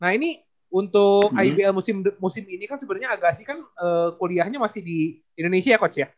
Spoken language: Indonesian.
nah ini untuk ibl musim ini kan sebenarnya agasi kan kuliahnya masih di indonesia ya coach ya